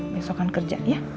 besokan kerja ya